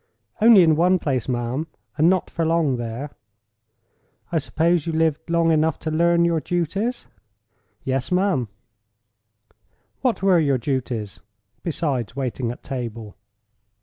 "Only in one place, ma'am, and not for long there." "I suppose you lived long enough to learn your duties?" "Yes, ma'am." "What were your duties besides waiting at table?"